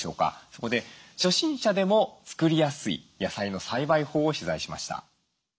そこで初心者でも作りやすい野菜の栽培法を取材しました。